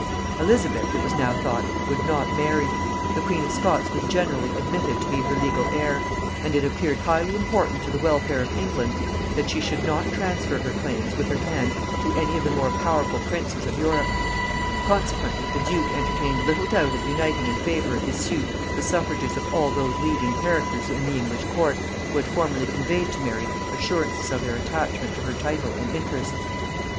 Elizabeth, it was now thought, would not marry: the queen of Scots was generally admitted to be her legal heir; and it appeared highly important to the welfare of England that she should not transfer her claims, with her hand, to any of the more powerful princes of Europe; consequently the duke entertained little doubt of uniting in favor of his suit the suffrages of all those leading characters in the English court who had formerly conveyed to Mary assurances of their attachment to her title and interests.